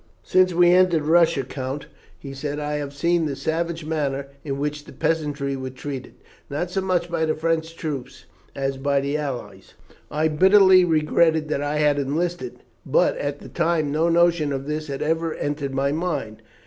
"Since we entered Russia, Count," he said, "and I have seen the savage manner in which the peasantry were treated, not so much by the French troops as by the allies, I bitterly regretted that I had enlisted; but, at the time, no notion of this had ever entered my mind.